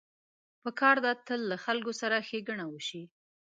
پکار ده تل له خلکو سره ښېګڼه وشي.